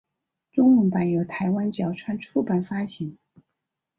中文版由台湾角川出版发行。